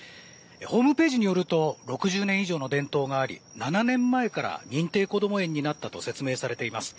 ホームページによると６０年以上の伝統があり７年前から認定こども園になったと説明されています。